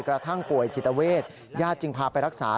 กระทั่งป่วยจิตเวทญาติจึงพาไปรักษา